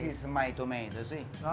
ini adalah tomatku